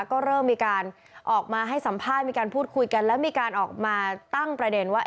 ก็เริ่มมีการออกมาให้สัมภาษณ์มีการพูดคุยกันแล้วมีการออกมาตั้งประเด็นว่า